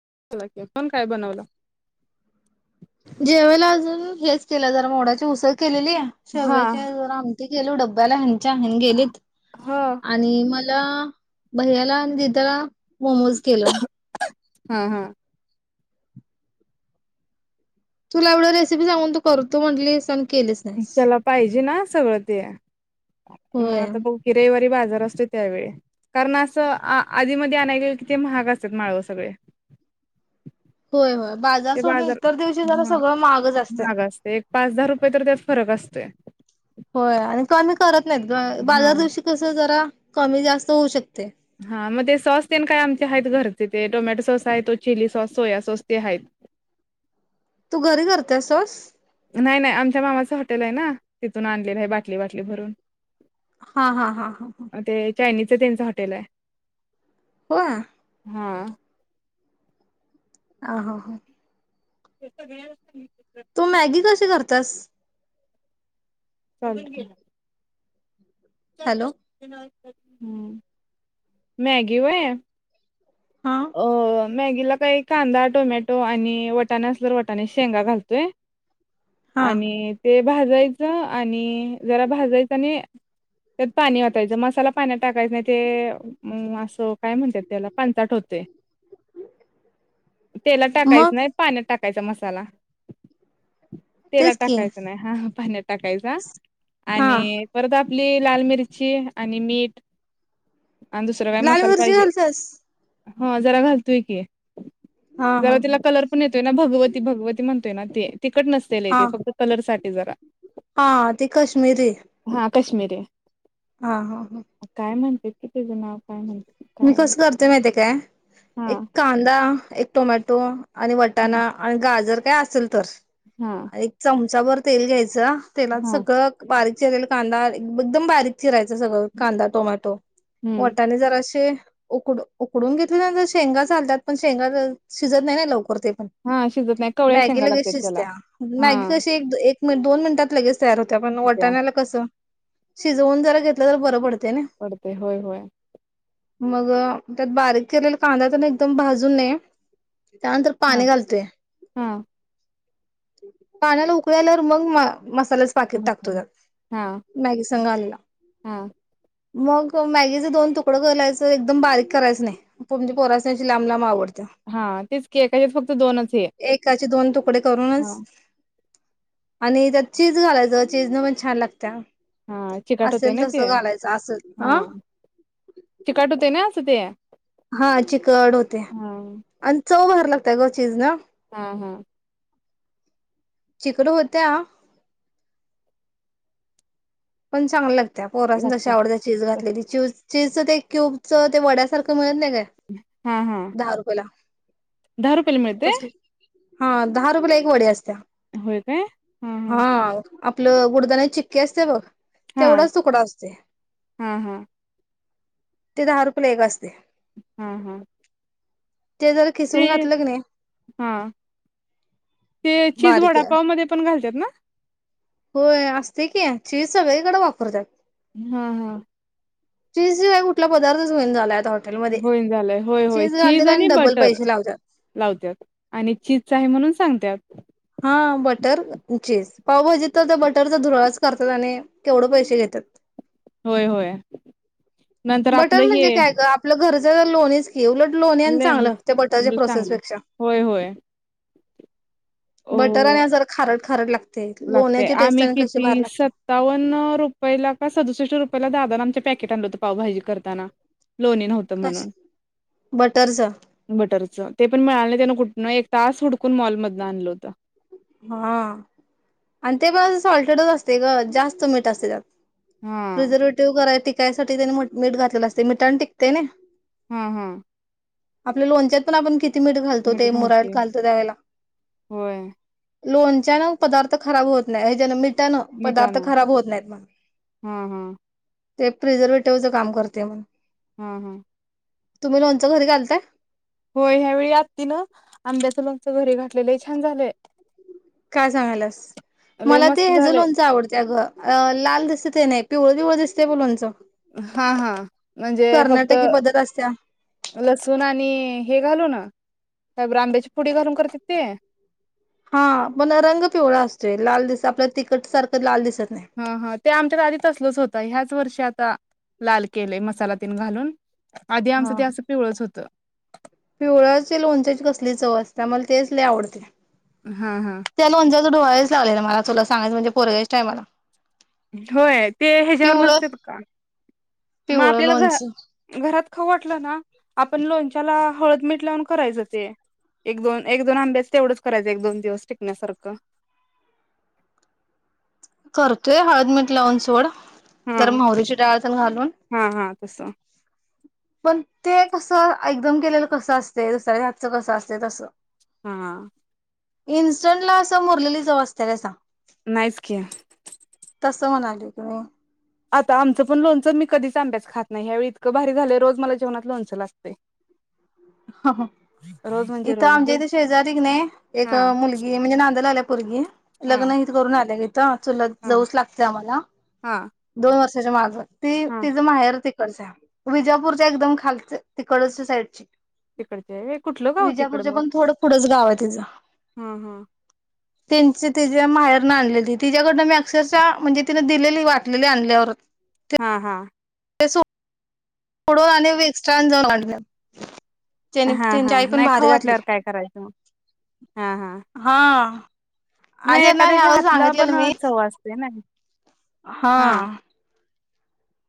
[unintelligible] बनवलं जेवायला आज हेच केलं जरा मोडाची उसळ केलेली हा शेवग्याचीजरा आमटी केलो डब्याला सागून गेलीत. हा आणि मला भैया ला दिद्या ला मोमोज केल. हा हा. तुला एवढं रेसिपी सांगून तू करतो म्हटलीस आण त्याला पाहिजे ना सगळं ते मग होय. आता बघू की रविवारी बाज जार असतो त्यावेळी कारण अस आधी मधी आणय गेलो किती महाग असतात ना हो सगळे. [inaudible] होय हो. बाजार ते सोडून इतर दिवशी जरा हा सगळं महागच असतं. महाग असते एक पाच दहा रुपये तर त्यात फरक असतोय होय आणि कमी करत नाहीत ग हा बाजार च्या दिवशी कस जरा कमी जास्त होऊ शकते. हा मग ते सॉस ते न काय आमचे हायत घरचे ते टोमॅटो सॉस आहेत चिली सॉस सोया सॉस ते हायेत. [inaudible] तू घरी करते सस. नाही नाही आमच्या मामाचं हॉटेल आहे ना तिथून आणलेलं आहे. बाटली बाटली भरून हा, हा, हा, हा, हा. ते चायनीजच त्यांच हॉटेल हाय होय. हा. आ ह [unintelligible] ते [unintelligible] तू मॅगी कशी करत्यास. चालतय. हॅलो हम मॅगी वय. हा हो मॅगीला काही कांदा टोमॅटो आणि वटाणे असल्या तर वटाने शेंगा घालतोय. हा. आणि ते भाजायचं आणि जरा भाजायचं आणि त्यात पाणी वतायचा मसाला पाण्यात टाकायचं नाही ते अ असं काय म्हणतात त्याला पांचट होतो. होतंय तेला मग टाकायचं नाही पाण्यात टाका कायचा मसाला. तेलात तेच की टाकायच नाही हा पाण्यात टाकायच हा. आणि परत आप आपली लाल मिरची आणि मीठ. आणि दुसर काय लाल मसाला मिरची पायजे. घालतेस? हा जरा घालतोय की, हा हा जरा तिला हा. कलर पण येतोय ना भगवती भगवती म्हण ते तिकट नसते लय हा तेे फक्त कलर साठी जरा. हा ते कश्मीरी. कश्मिरी. हा हा हा. ते कती ज [unintelligible] मी कसं करते माहितीे काय हा एक कांदा एक टोमॅटो आणि वटाणा आणि गाजर काय असेल तर हा एक चमचाभर तेल घ्यायचं तेलात हा सगळं बारीक चीरलेला कांदा एकदम बारीक चिराय [unintelligible] कांदा टोमॅटो हम्म मोठ्यांनीजरा ते उक उकडून घेतले शेंगा चालतात पण शेंगा शिजत नाही ना लवकर. पण हा शिजत नाही कवळ्या शेंगा मॅगीला लागतात क त्याला [unintelligible] हा मॅगी कशी दोन मिनिटात लगेच तयार होत, पण त्या वटाण्याला कसं शिजवून जर घेतलं तर बरं पडत पडते होय होय. मग त्यात बारीक केलेला कांदा एकदम भाजून नये. त्यानंतर हा पाणी घालतोय हा पाण्याला उकळी आल्यावर मग मा मसाल्याच पाकीत टाकतो मसाला. त्यात हा मॅगी संघ आलेला हा मग मॅगीच दोन तुकडं करायचं एकदम बारीक करायचं नाही म्हणजे पोरासनि अशी लांब लांब आवडत्या. हा तेच केकच्या [unintelligible] फक्त दोनच आहे एकाचे दोन तुकडे करूनच. आणि त्यात चीज घालायचं चीज न म छान लागत्या. हा चिकाट होते असेल ना तस ते घालायचं असेल हा आ. चिकाट होते ना असं ते. हा चिकड होते, हा आणि चव भरी लागत्या ग चीज ना हा हा. चिकड होत्या. पण चांगल्या लागत्या पोरासनी जशी लागते आवडत्या चचीज घातलेली चूज. चीजचं ते क्यूबचं ते वड्यासारखं मिळत नाही काय हा हा दहा रुपयेला. दहा रुपयला मिळतेय. हा दहा रूपेला एक वडी असती. होय काय हा हा. आपलं गुडदान्याची चिक्की असते बघ हा तेवढाच तुकडा असतोय. हा हा हा ते दहा रुपयेला एक असतय. हां हा. ते जर खिसून घातलं कनेय. हा ते चीज वडापाव मध्ये पण घालत्यात ना? होय असतय की, चीज सगळीकडे वापरत्यात. हा हा. चीज शिवाय कुठला पदार्थ होईन झालाय आता हॉट होईन झालंय होय होय चीज आणि डबल बटर. पैसे लावत्यात लावत्यात आणि चीजच आहे म्हणून सांगत्यात. हा बटर चीज पावभाजी तर त्या बटरचा धुराळच करत्यात आणि केवढ पैसे घेत [unintelligible] होय होय. नंतर बटर आपलं हे म्हणजे काय आपलं घरच लोणीच. ती उलट लोणी आणि चांगलं त्या बटरच्या लेमन प्रोसेस चांगलं पेक्षा. होय होय बटर ओ हायना जर खारड खारड लाग लागतय आम्ही किती सत्तावन रुपयला का सदुसष्ट रुपयला दा दान आमच्या पॅकेट आणलं होतं पावाजी करताना. लोणी नव्हतं कश म्हणून बटरच [inaudible] बटर च ते पण मिळालं नाही त्यान कुठन एक तास हुडकून मॉलमधन आणलं होत. हा [inaudible] आणि ते पण सॉल्टेडच असतय ग जास्त मीठ असतय त्यात. हा प्रिझर्वेटिव्ह कराय टिकायसाठी त्याने मु मीठ घातलेलं असतय मिठान टिकतय नई. हम्म हम्म. आपल्या लोणच्यात पण आपण किती मीठ घालतो ते मुरायला घालतो त्यावेेळेला. होय लोणच्या ना पदार्थ खराब होत नाय जेन मीठ त्यान पदार्थ मिठानं खराब होत नाहीत म्हण. हा हा [inaudible] ते प्रिझर्वेटिव्हचं काम करते म्हण. हां हा. तुम्ही लोनचं घरी घालताय? होय ह्या वेळी आत्तीन आंब्याचं लोकचं घरी घातलंय लई छान झालंय. काय सांगायलास लय मला ते मस्त हचं झालंय लोणचं आवडतय अग अ लाल दिसतय ते नाही. पिवळ पिवळ दिसतय मुलांचं. हा हा म्हणजे फक्त पद्धत असत्या लसूण आणि हे घालून. का ब्रंब्याची पुडी घालून करत्यात ते. हा पण रंग पिवळा असतोय लाल दिस आपल्या तिकट सारखं लाल दिसत नाही हा हा ते आमच्या कड आधी तसलच होत ह्याच वर्षी आत ता लाल केलय मसाला तेन घालून आधी आमचं ते असं पिवळच होतं. पिवळ्याची लोणच्याची कसली चव असत्या मला तेच ल आवडतय. हा हा त्या लोंच्याचं डोहाळेच लागलेल मला तुला सांगायचं म्हणजे पोरग्याच टायमला. होय ते ह्याच्यावर नसतेत का. म पिवळं आपल्याला लोणचं घ घरात खाऊ वाटलं ना आपण लोणच्याला हळद मीठ लावून करायचं ते. एक दोन एक दोन आंब्यास तेवढंच करायचं एक दोन दिवस टिकण्यासारखं. [inaudible] करतोय हळद मीठ लावून सोड हा जरा मोहरीची डाळतेन घालून. तस. पण ते कसं एकदम केलेलं कसं असतय दुसऱ्याच्या हातचं कसं असतय तसं. हा. इन्स्टंट ला असं मुरलेली चव असतेय वय तसं नाही चकी. [inaudible] हिथ न. आता आमचं पण लोणच मी कधीचं आंब्याच खात नाही, ह्यावेळी इतकं भारी झालंय रोज मला जेवनात लोणचं लागतय. [inaudible] [unintelligible] इथं रोज आमच्या बिल इथे शेजारी की नाय एक हा मुलगी म्हणजे नांदयला आलीय पोरगी हा लग्न कोण आलंय. ती आता चुलत हा जाऊच लागते आम्हाला, हा दोन वर्षाच्या माघ ती हा तिचं माहेर- तड विजापूरच्या एकदम खालच तिकडच्या साईडची तिकडचे आहे व्हय कुठलं गाव तिकडं विजापूरच्या मग पण थोडं पुढंच गाव आहे तिचं. हा हा त्यांच तिच्या माहेरन आणलेली तिच्याकडनं मी अक्षरशः म्हणजे तिनं दिलेली वाटलेली आणल्यावर. हा हा तिच्याकडून आणि मिस्टरांनी जाऊन आणलय. हा त्यांनी हा त्यांची हा आई पण नाही बाहेर खाऊ वाटल्यावर घातलेल काय करायचं मग हा नाही आणि ना एखाद्याच्या ह्यावेळी हातला सांगितलेलं पण मी चव असते ना! हा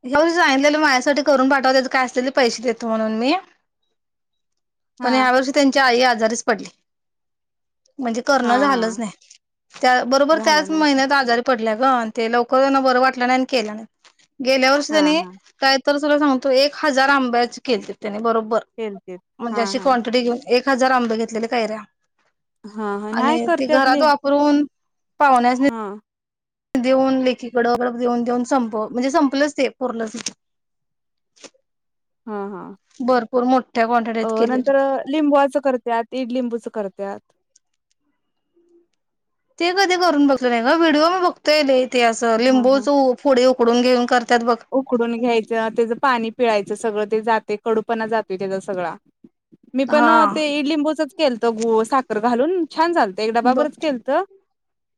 ह्यो सांगितलेल माझ्यासाठी करून पाठवा त्याच काय असतिल ते पैसे देतो म्हणून मी. पण हा ह्यावर्षी त्यांची आई आजारीच पडली. म्हणजे हा करणं हा झालंच नाही, त्या बरोबर झालं त्याच नाही महिन्यात आजारी पडल्या. पण ते लवकर त्यांना बरं वाटलं नाही आणि केलं नाही गेल्या वर्षी हा त्यांनी हा तर तुला सांगतो एक हजार आंब्याची केलते त्यांनी बरोबर केलतीत म्हणजे हा अशी हा क्वांटिटी एक हजार आंबे घेतलेल्या कैऱ्या हा हा नाही आणि ते करत्यात घरात लिं वापरून पाहुण्यांसणी हा देऊन लेकीकड देऊन देऊन संपव म्हणजे संपलंच ते पूर्णच. हा हा भरपूर मोठ्या क्वांटिटीत अ केलेलं नंतर लिंबूआचं करत्यात इडलिंबूच करत्यात. ते कधी करून बघले ग व्हिडिओ बघतोय लय ते असं हा लिंबूच हा फोडी उकडून घेऊन करत्यात. उकडून घ्यायचं त्याचं पाणी पिळायचं. ते सगळं ते जातंय कडूपणा जातोय त्याचा सगळां. मी पण हा ते इडलिंबूचच केलत गुळ साखर घालून. छान झालतं एक डबा बर बरंच केल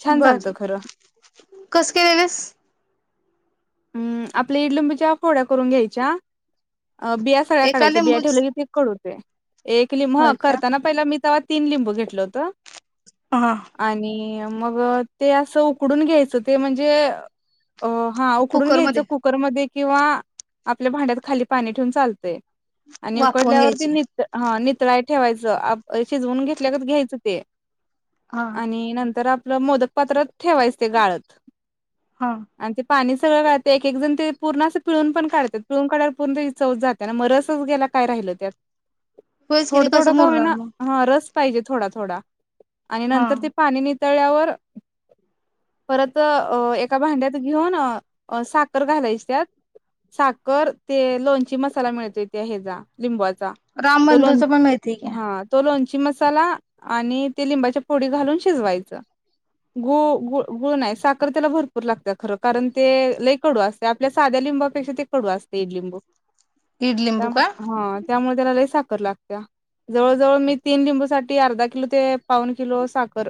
छान झालत खरं. कस केलेलीस? हम् आपल्या इडलुंबीच्या फोड्या करून घ्यायच्या बिया सगळ्या एका काढायच्या बिया लिंबूच ठेवल्या की ते कडू होतंय एक लि ह होय का करताना पहिला मी ते तीन लिंबू घेतलं होत, हा आणि मग ते अस उकडून घ्यायचं ते म्हणजे हा उकडून घ्यायचं कुकरमध्ये कुकरमध्ये किंवा आपल्या भांड्यात खाली पाणी ठेऊून चालतंय. आणि वाफवून उकडल्यावरती घ्यायचे नित हा नितळाय ठेवायचं आप शिजवून घेतल्यागत घ्यायचं ते हा आणि नंतर आपल मोदकपात्रात ठेवायच गाळत हा आणि पात्र ते बघा ते एक एक जण ते पूर्ण अस पिळून पण काढत्यात पिळून काढल्यावर पूर्ण त्याची चवच जाते ना मग रसच गेला काय राहील. त्यात, होयच की ते थोडं कसं थोडं का मुरणार होईना मग हा रस पाहिजे थोडा थोडा आणि हा नंतर ते पाणी तळ्यावर परत अ एका भांड्यात घेऊन अ साखर घालायची त्यात साखर ते लोणची मसाला मिळतोय त्या हिचा लिं राम तो बंधूच पण मिळते की लोंच्या हा तो लोणची मसाला आणि ते लिंबाच्या फोडी घालून शिजवायच. गु गुळ गुळ नाही साखर त्याला भरपूर लागत्या खरं कारण. ते लई कडू असतंय आपल्या साध्या लिंबापेक्षा ते कडू असतंय इडलिंबू दीड त्या लिंबू का हा त्यामुळे त्याला लई सा. खर लागत्या जवळ जवळ मी तीन लिंबू साठी अर्धा किलो ते पाऊण किलो साखर.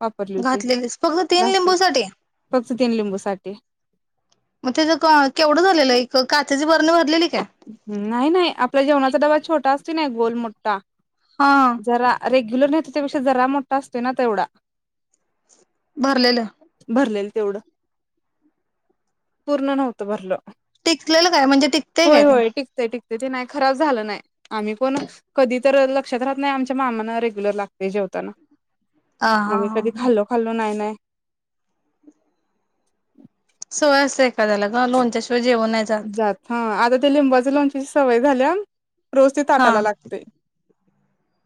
वापरली होती घातलेलीस फक्त तीन लिंबू [unintelligible] साठी फक्त तीन लिंबूसाठी. मग त्याच केवढं झालेलं एक काचेची बरणी भरलेली. काय नाही नाही आपला जेवणाचा डबा छोटा असतोय की नाही गोल मोठा. हा जरा रेग्युलर नाही तो त्यापेक्षा जरा मोठा असतोय ना तेवढा भरलेलं. भरलेल तेवढं पूर्ण नव्हतं भरलं. टिकलेलं काय म्हणजे ते टिकतय होय काय ह होय टिकतेंय टि ते ते नाही खराब झालं नाही. आम्ही पण कधी तर लक्षात राहत नाही आमच्या मामांना रेग्युलर लागतय जेव ताना. हा आम्ही कधी ह खाल्लो खाल्लो नाही नाही. सवय असत्या एखाद्याला गं लोणच्याशिवाय जेवण नाय जात हा आता ते लिंबाच्या लोणच्याची सवय झाल्या रोज ते हा ताटाला लागतय.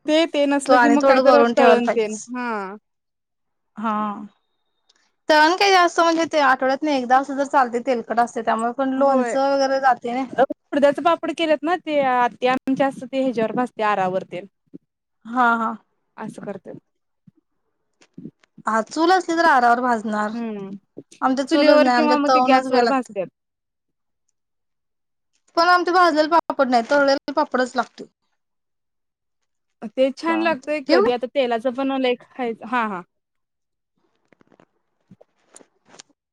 ते ते तो नसलं की आणि मग थोडं काहीतरी करून ठेवायला तळण तेन. पाहिजेस हा. हा. तळण काय जास्त म्हणजे ते आठवड्यातन एकदा असंल तर चालतय तेलकट अस होय ते उडद्याचं पापड केलेत ना ते आत्या आमच्या अस ते हेच्यावर भाजत्यां आरावर तेन. हा हा. असं करत्यात. हा चूल असली तर आरावर भाज हम्म चुलीवर किंवा आमच्या मग ते तवूनच घ्याय गॅसवर लागते भाजत्यात. [inaudible] पण आमच्यात भाजलेला पापड नाही तळलेले पापडच लागतोय. तेच छान चालतंय लागतंय ठेवू? कधी आता तेलाचा पण लय का खायचा हा हा.